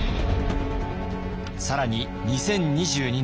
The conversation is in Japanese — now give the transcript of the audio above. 更に２０２２年